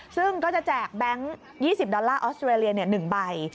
ซึ่งก็จะแจกแบงค์๒๐ดอลลาร์ออสเตรเลีย๑ใบ